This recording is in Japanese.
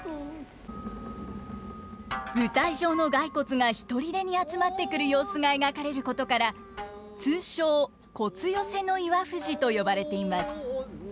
舞台上の骸骨がひとりでに集まってくる様子が描かれることから通称「骨寄せの岩藤」と呼ばれています。